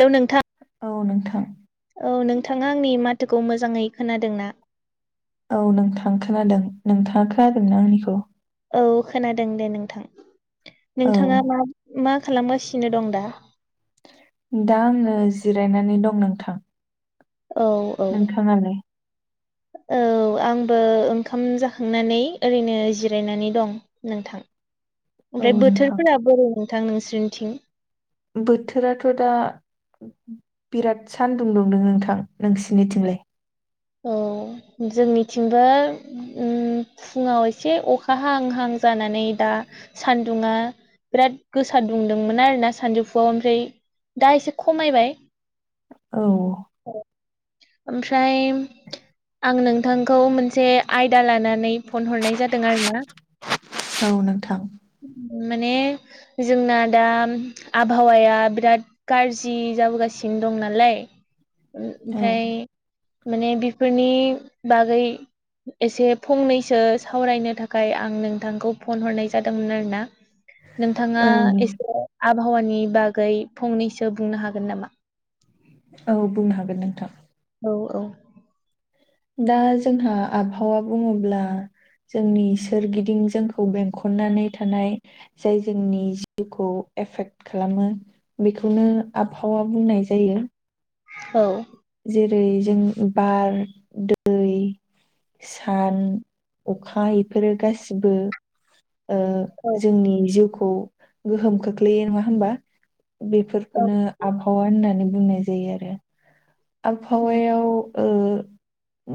हेल' नोंथां। औ नोंथां। औ नोंथाङा आंनि माथोखौ मोजाङै खोनादों ना? औ नोंथां खोनादों नोंथाङा खोनादों ना आंनिखौ? औ खोनादों दे नोंथां। औ नोंथाङा मा मा खालामगासिनो दं दा? दा आंनो जिरायनानै दं नोंथां। औ औ। नोंथाङालाय [inaudible] औ आंबो ओंखाम जाखांनानै ओरैनो जिरायनानै दं। नोंथां औ ओमफ्राय नोंथां बोथोरफोरा बोर' नोंथां नोंसोरनिथिं बोथोराथ' दा बिराद सानदुं दुंदों नोंथां नोंसिनिथिंलाय औ जोंनिथिंबो फुङाव एसे अखा हां हां जानानै दा सान्दुङा बिराद गोसा दुंदोंमोन आरो ना सानजौफुआव ओमफ्राय दा एसे खमायबाय औ ओमफ्राय आं नोंथांखौ मोनसे आयदा लानानै फन हरनाय जादों आरो ना औ नोंथां माने जोंना दा आबहावाया बिराद गाज्रि जाबोगासिनो दं नालाय औ ओमफफ्राय माने बेफोरनि बागै एसे फंनैसो सावरायनो थाखाय आं नोंथांखौ फन हरनाय जादोंमोन आरो ना [inaudible] नोंथाङा औ नों- एसे आबहावानि बागै फंनैसो बुंनो हागोन नामा औ बुंनो हागोन नोंथां औ औ दा जोंहा आबहावा बुङोब्ला जोंनि सोरगिदिं जोंखौ बेंखननानै थानाय जाय जोंनि जिउखौ एफेक्ट खालामो बेखौनो आबहावा बुंनाय जायो औ जेरै जों बार दै सान अखा इफोरो गासिबो ओ जोंनि जिउखौ गोहोम खोख्लैयो नङा हबा औ बेफोरखौनो आबहावा होननानै बुंनाय जायो आरो आबहावायाव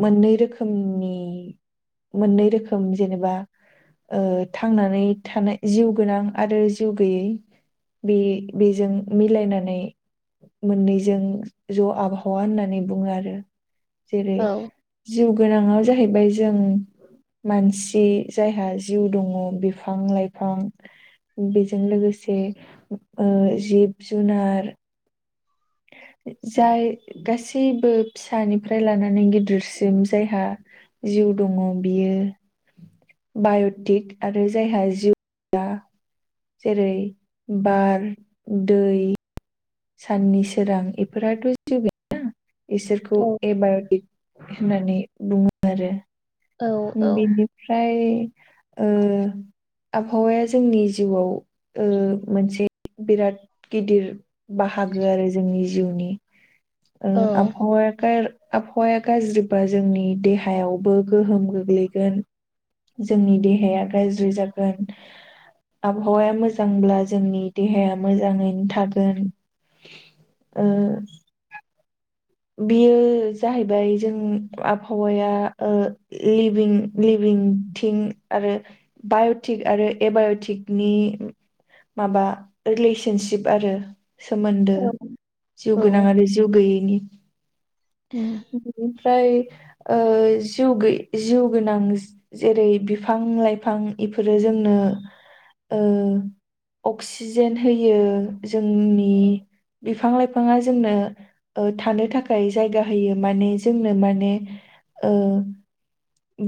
मोननै रोखोमनि मोननै रोखोम जेनेबा थांनानै थानाय जिउ गोनां आरो जिउ गैयै बे बेजों मिलायनानै मोननैजों ज' आब हा होननानै बुङो आरो जेरै औ जिउ गोनाङाव जाहैबाय जों मानसि जायहा जिउ दङ बिफां लाइफां बेजों लोगोसे जिब जुनार जाय गासैबो फिसानिफ्राय लानानै गिदिरसिम जायहा जिउ दङ बियो बाय'टिक आरो जायहा जिउआ जेरै बार दै साननि सोरां बेफोरथ' जिउ इसोरखौ औ एबायटिक होननानै बुङो आरो औ बिनिफ्राय आबहावाया जोंनि जिउआव मोनसे बिराद गिदिर बाहागो आरो जोंनि जिउनि औ आबहावाखाय आबहावाया गाज्रिब्ला जोंनि देहायावबो गोहोम गोग्लैगोन जोंनि देहाया गाज्रि जागोन आबहावाया मोजांब्ला जोंनि देहाया मोजाङैनो थागोन ओ बियो जाहैबाय जों आबहावाया ओ लिभिं लिभिं थिं आरो बाय'टिक आरो एबाय'टिकनि माबा रिलेसनसिप आरो सोमोन्दो औ जिउ औ गोनां आरो जिउ गैयैनि उम बिनिफ्राय ओ जिउ गैयि जिउ गोनां जेरै बिफां लाइफां इफोरो जोंनो ओ अक्सिजेन होयो जोंनि बिफां लाइफाङा जोंनो ओ थानो थाखाय थाखाय जायगा होयो माने जोंनो माने ओ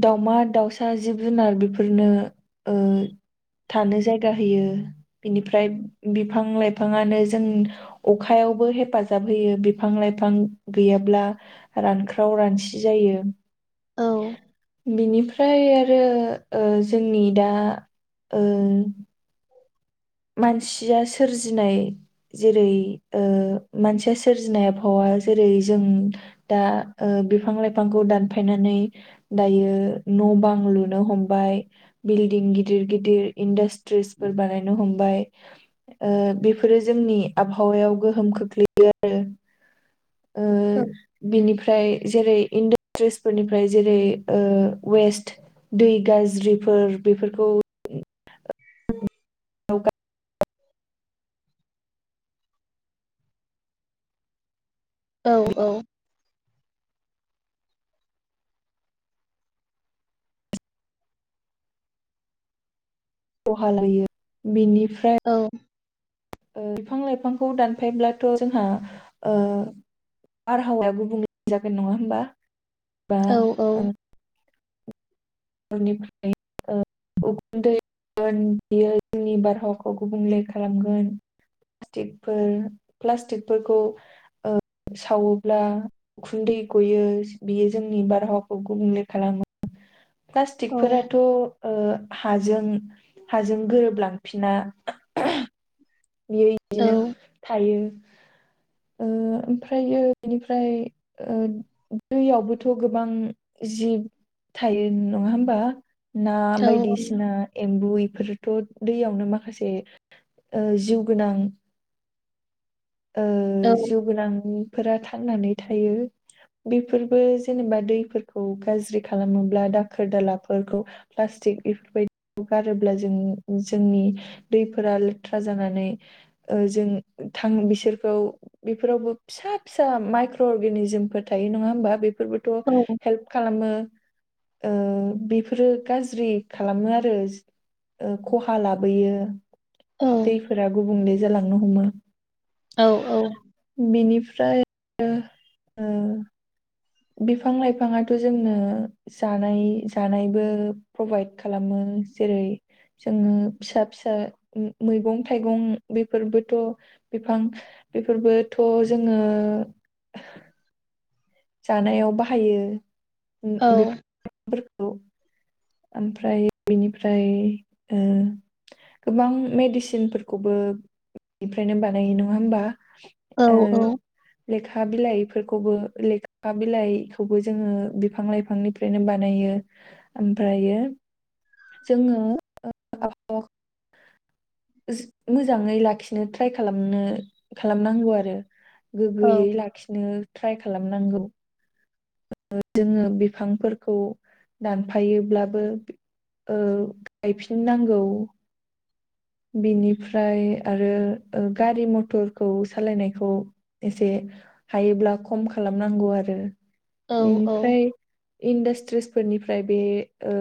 दाउमा दाउसा जिब जुनार बेफोरनो ओ थानो जायगा होयो बिनिफ्राय बिफां लाइफाङानो जों अखायावबो हेफाजाब होयो बिफां लाइफां गैयाब्ला रानख्राव रानसि जायो औ बिनिफ्राय फ्राय आरो जोंनि दा ओ मानसिया सोरजिनाय जेरै ओ मानसिया सोरजिनाय आबहावा जेरै जों दा ओ बिफां लाइफांखौ दानफायनानै दायो न' बां लुनो हमबाय बिल्डिं गिदिर गिदिर इन्डास द्रेसफोर बानायनो हमबाय ओ बेफोरो जोंनि आबहावायाव गोहोम खोख्लैयो आरो ओ औ बिनिफ्राय जेरै [unintelligible] ट्रेसफोरनिफ्राय जेरै ओ वेस्ट दै गाज्रिफोर बेफोरखौ [unintelligible] [inaudible] औ औ खहा लायो बिनिफ्रा औ ओ बिफां लाइफांखौ दानफायब्लाथ' जोंहा ओ बारहावाया गुबुंले जागोन नङा होमबा बा औ औ [unintelligible] ओ [unintelligible] उखुन्दै [unintelligible] बियो जोंनि बारहावाखौ गुबुंले खालामगोन प्लास्टिकफोर प्लास्टिकफोरखौ ओ सावोब्ला उखुन्दै ग'यो बियो जोंनि बारहावाखौ गुबुंले खालामो प्लास्टिकफोराथ' ओ हाजों हाजों गोरोबलांफिना बियो औ इदिनो थायो ओ ओमफ्रायो बिनिफ्राय ओ दैयावबोथ' गोबां जिब थायो नङा होमबा ना औ बायदिसिना एम्बु इफोरथ' दैयावनो माखासे ओ जिउ गोनां ओ जिउ गोनांफोरा थांनानै थायो बेफोरबो जेनेबा दैफोरखौ गाज्रि खालामोब्ला दाखोर दालाफोरखौ प्लास्टिक इफोरबायदि [unintelligible] गारोब्ला जों जोंनि दैफोरा लेथ्रा जानानै ओ जों थां बिसो सोरखौ बेफोरावबो फिसा फिसा माइक्र' अर्गेनिजमफोर थायो नङा होमबा बेफोरबो थ' हेल्प खालामो ओ बेफोरो गाज्रि खालामो आरो ओ खहा लाबोयो औ दैफोरा गुबुंले जालांनो हमो औ औ बिनिफ्राय ओ ओ बिफां लाइफाङाथ' जोंनो जानाय जानायबो प्रभाइद खालामो जेरै जोङो फिसा फिसा मैगं थाइगं बेफोरबोथ' बिफां बेफोरबोथ' जोङो [unintelligible] जानायाव बाहायो उम बेफो फोरखौ ओमफ्राय बिनिफ्राय ओ गोबां मेडिसिनफोरखौबो [unintelligible] निफ्रायनो बानायो नङा होमबा। ओ लेखा बिलाइफोर खौबो लेखा बिलाइखौबो जोङो बिफां लाइफांनिफ्रायनो बानायो। फ्रायो जोङो ओ [unintelligible] [unintelligible] मोजाङै लाखिनो ट्राइ खालामनो खालामनांगौ आरो। गोग्गोयै लाखिनो ट्राइ खालामनांगौ [unintelligible] जोङो बिफांफोरखौ दानफायोब्लाबो बि ओ गायफिन नांगौ बिनिफ्राय आरो ओ गारि मथरखौ सालायनायखौ एसे हायोब्ला खम खालामनांगौ आरो। बिनिफ्राय इन्डासस्ट्रिसफोरनिफ्राय बे ओ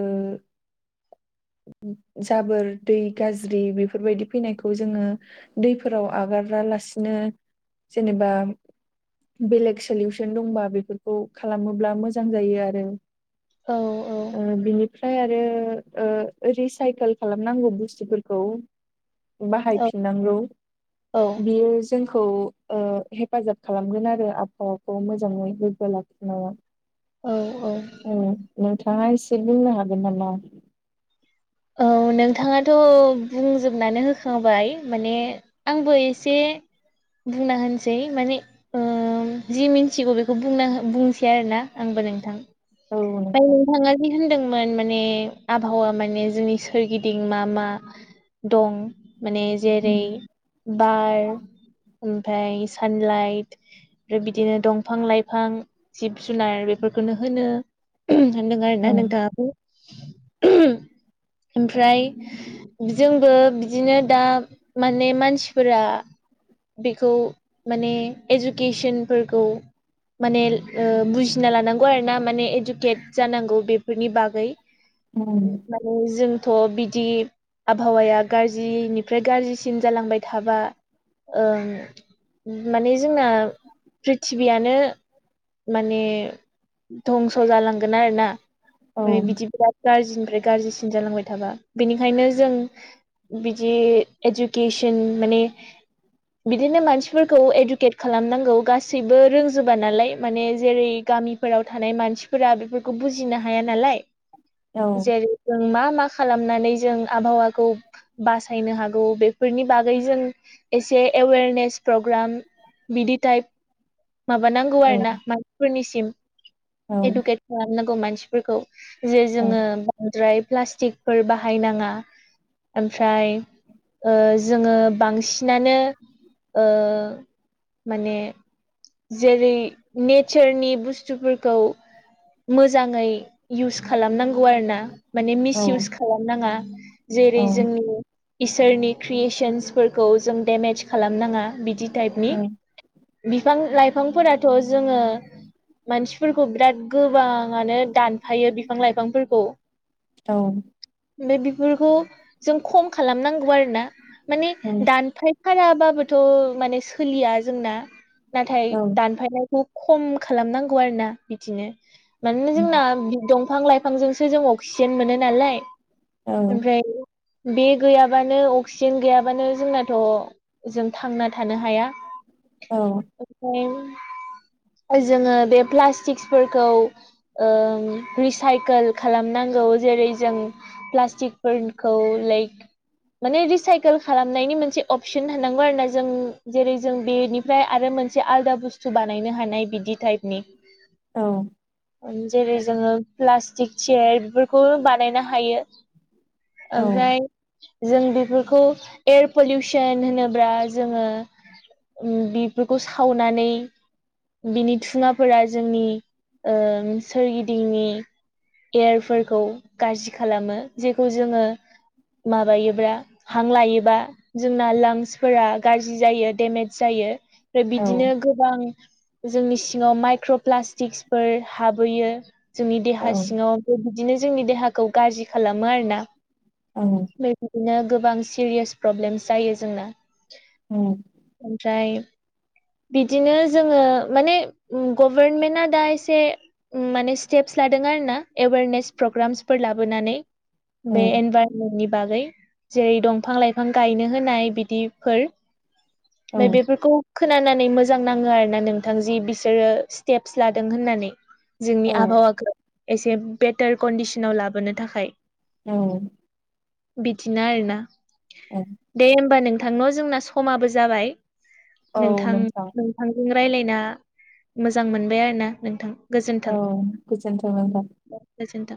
जाबोर दै गाज्रि बेफोरबायदि फैनायखौ जोङो दैफोराव आगारालासिनो जेनेबा बेलेग सलिउसन दंबा बेफोरखौ खालामोब्ला मोजां जायो आरो औ ओ ओ बिनिफ्राय आरो ओ रिसाइकोल खालामनांगौ बुस्थुफोरखौ बाहायफिननांगौ औ औ बियो जो जोंखौ ओ हेफाजाब खालामगोन आरो आबहावाखौ मोजाङै लोब्बा लाखिनायाव। औ ओ नोंथाङा एसे बुंनो हागोन नामा। औ नोंथाङाथ' बुंजोबनानै होखाबाय माने आंबो एसे बुंना होनसै माने ओ जि मिन्थिगौ बेखौ बुंना हो बुंसै आरो ना आंबो नोंथां। औ दा नोंथां नोंथाङा दि होनदोंमोन माने आबहावा माने जोंनि सोरगिदिं मा मा दं माने जेरै उम, बार ओमफाय सानलाइट। ओमफ्राय बिदिनो दंफां लाइफां जिब जुनार बेफोरखोनो होनो। होन्दों आरो औ ना नोंथाङाबो। ओमफ्राय जोंबो बिदिनो दा माने मानसिफोरा बेखौ माने एजुकेसोनफोरखौ माने ओल बुजिना लानांगौ आरो ना माने एडुकेट जानांगौ बेफोरनि बागै। उम। जोंथ' बिदि आबहावाया गाज्रिनिफ्राय गाज्रिसिन जालांबाय थाबा ओ माने जोंना प्रिथिबिआ नो माने धंस' जालांगोन आरोना। औ माने बिदि बिराद गाज्रिनिफ्राय गाज्रिसिन जालांबाय थाबा बेनिखायनो जों बिदि एजुकेसन माने बिदिनो मानसिफोरखौ इडुकेट खालामनांगौ गासैबो रोंजोबा नालाय माने जेरै गामि फोराव थानाय मानसिफोरा बेफोरखौ बुजिनो हाया नालाय औ जेरै जों मा मा खालामनानै जों आबहावाखौ बासायनो हागौ बेफोरनि बागै जों एसे एवेरनेस प्रग्राम। बिदि टाइप। माबानांगौ आरो ना मानसिफोरनिसिम औ एडुकेट खालामनांगौ मानसि फोरखौ जे औ जोङो बांद्राय प्लास्टिकफोर बाहायनाङा। ओमफ्राय ओ जोङो बांसिनानो ओ माने जेरै नेचारनि बुस्थफोर खौ मोजाङै इउस खालामनांगौ आरो ना माने औ मिसएउस खालामनाङा जेरै औ जोंनि इसोरनि क्रियेसन्सफोरखौ जों डेमेज खालामनाङा बिदि टाइपनि बिफां लाइफांफोराथ' जोङो मानसिफोरखौ बिराद गोबाङानो दानफायो बिफां लाइफांफोरखौ औ ओमफ्राय बेफोरखौ जों खम खालामनांगौ आरो ना माने दानफाय खानाबाबोथ' माने सोलिया जोंना नाथाय औ दानफायनाय खौ खम खालामनांगौ आरोोना बिदिनो मानोना जोंना दंफां लाइफां बिफांजोंसो जों अक्सिजेन मोनो नालाय औ ओमफ्राय बे गैयाबानो अक्सिजेन गैयाबानो जोंनाथ' जों थांना थानो हाया औ ओमफ्राय जोङो बे प्लास्टिकसफोरखौ रिसाइकेल खालामनांग जेरै जों पटिकफोरखौ लाइक माने रिसाइकेल खालामनायनि मोनसे अपसन होननांगौ आरो ना जों जेरै जों बेनि ओमफ्राय आरो मोनसे आलादा बुस्थु बानायनो हानाय बिदि टाइपनि औ जेरै जोङो प्लास्टिक चेयार बेफोरखौ बानायनो हायो औ ओमफ्राय जों बेफोरखौ एयार पलिउसन होनोब्ला जोङो उम बेफोरखौ सावनानै बिनि थुङाफोरा जोंनि ओम सोरगिदिंनि एयारफोरखौ गाज्रि खालामो जेखौ जोङो माबायोब्ला हां लायोबा जोंना लांसफोरा गाज्रि जायो डेमेज जायो। ओमफ्राय औ बिदिनो गोबां जोंनि सिङाव माइक्र' प्लास्टिक्सफोर हाबोयो जोंनि औ देहा सिङाव बेबायदिनो जोंनि देहाखौ गाज्रि खालामो आरोना। ओं बेबायदिनो गोबां सिरियास प्रब्लेम जायो जोंना। उम ओमफ्राय बिदिनो जोङो माने उम गभारनमेन्टआ दा एसे उम माने स्टेपस लादों आर ना एवेरनेस प्रग्रामसफोर लाबोनानै औ बे एनभार नि बागै जेरै दंफां लाइफां गायनो होनाय बिदिफोर औ बाय बेफोरखौ खोनानानै मोजां नाङो आरो ना नोंथां जि बिसोरो स्टेप्स लादों होननानै जोंनि औ आबहावाखौ एसे बेटार कन्डिसनाव लाबोनो थाखाय औ बिदिनो आरोना ‌। औ दे होमबा नोंथांन' जोंना समाबो जाबाय। नोंथां नोंथांजों रायज्लायना मोजां मोनबाय आरो ना नोंथां। औ गोजोन्थों नोंथां। अ गोजोन।